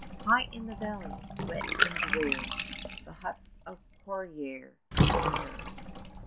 High in the valley, wet and drear, The huts of Courrerie appear.